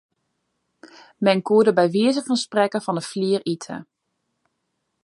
Men koe der by wize fan sizzen fan 'e flier ite.